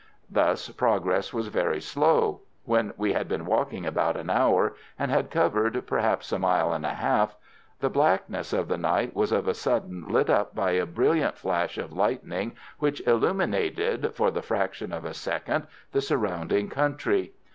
Thus progress was very slow. When we had been walking about an hour, and had covered, perhaps, a mile and a half, the blackness of the night was of a sudden lit up by a brilliant flash of lightning which illuminated, for the fraction of a second, the surrounding country.